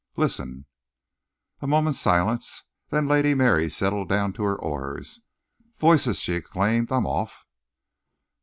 Listen!" A moment's silence, then Lady Mary settled down to her oars. "Voices!" she exclaimed. "I'm off."